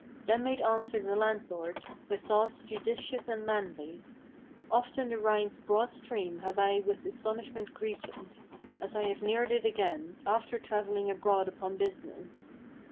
Then made answer the landlord, with thoughts judicious and manly: "Often the Rhine's broad stream have I with astonishment greeted, As I have neared it again, after travelling abroad upon business.